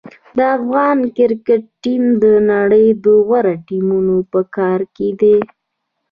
د افغان کرکټ ټیم د نړۍ د غوره ټیمونو په کتار کې دی.